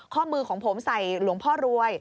ข้อมือของผมใส่หลวงพ่อรวย